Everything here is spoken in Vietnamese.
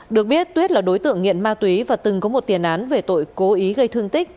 được biết tuyết là đối tượng nghiện ma túy và từng có một tiền án về tội cố ý gây thương tích